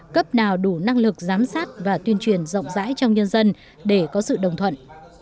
cấp nào đủ năng lực giám sát và tuyên truyền rộng rãi trong nhân dân để có sự đồng thuận